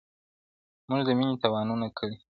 مونږه د مینې تاوانونه کړي ,